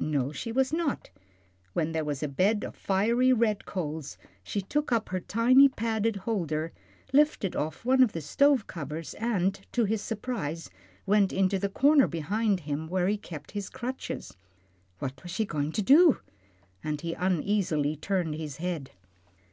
No, she was not; when there was a bed of fiery red coals, she took up her tiny padded holder, lifted off one of the stove covers, then, to his surprise, went into the corner behind him, where he kept his crutches. What was she going to do? and he uneasily turned his head.